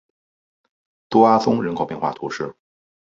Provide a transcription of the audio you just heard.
多阿宗人口变化图示